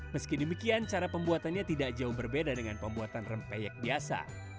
meski demikian cara pembuatannya tidak jauh berbeda dengan pembuatan rempeyek biasa